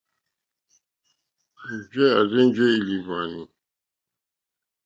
Njɛ̂ à rzênjé ìlìhwòànì.